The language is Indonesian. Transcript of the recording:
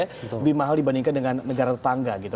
lebih mahal dibandingkan dengan negara tetangga gitu